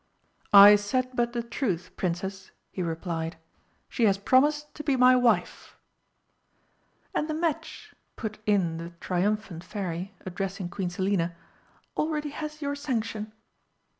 "I said but the truth, Princess," he replied. "She has promised to be my wife." "And the match," put in the triumphant Fairy, addressing Queen Selina, "already has your sanction!"